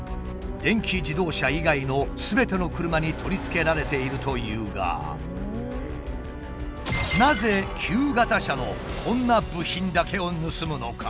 電気自動車以外のすべての車に取り付けられているというがなぜ旧型車のこんな部品だけを盗むのか？